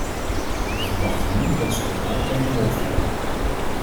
We verwachten nu dat ze de daad bij het woord voegen.